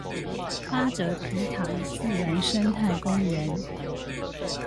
八德埤塘自然生態公園